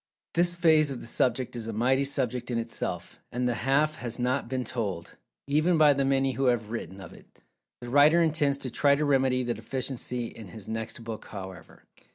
This phase of the subject is a mighty subject in itself, and "the half has not been told" even by the many who have written of it. The writer intends to try to remedy the deficiency in his next book, however.